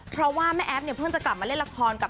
เพราะว่าแม่แอฟเนี่ยเพิ่งจะกลับมาเล่นละครกับ